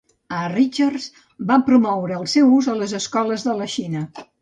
A. Richards va promoure el seu ús a les escoles de la Xina.